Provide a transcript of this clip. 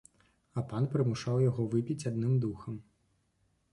А пан прымушаў яго выпіць адным духам.